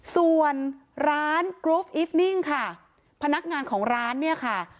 ส่วนร้านค่ะพนักงานของร้านเนี่ยค่ะ